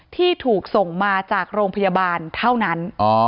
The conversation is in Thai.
ที่ถูกส่งมาจากโรงพยาบาลเท่านั้น